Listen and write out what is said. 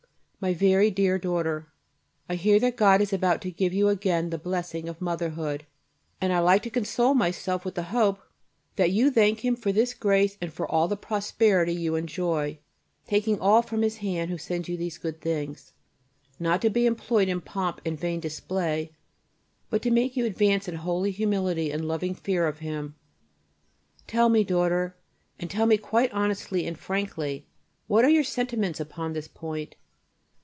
MY VERY DEAR DAUGHTER, I hear that God is about to give you again the blessing of motherhood, and I like to console myself with the hope that you thank Him for this grace and for all the prosperity you enjoy, taking all from His hand who sends you these good things, not to be employed in pomp and vain display, but to make you advance in holy humility and loving fear of Him. Tell me, daughter, and tell me quite honestly and frankly, what are your sentiments upon this point?